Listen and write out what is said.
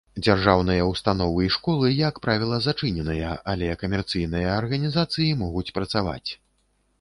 Дзяржаўныя ўстановы і школы, як правіла, зачыненыя, але камерцыйныя арганізацыі могуць працаваць.